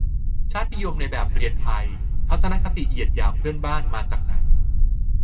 "ชาตินิยมในแบบเรียนไทย" ทัศนคติเหยียดหยามเพื่อนบ้าน มาจากไหน ?